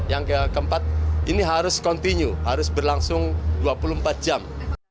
yang keempat ini harus continue harus berlangsung dua puluh empat jam